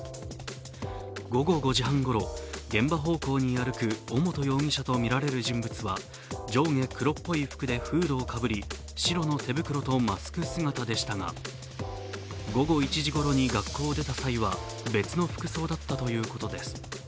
午後５時半ごろ、現場方向に歩く尾本容疑者とみられる人物は上下黒っぽい服でフードをかぶり白の手袋とマスク姿でしたが、午後１時ごろに学校を出た際は別の服装だったということです。